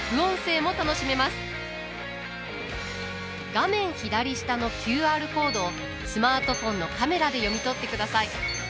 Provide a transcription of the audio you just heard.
画面左下のＱＲコードをスマートフォンのカメラで読み取ってください。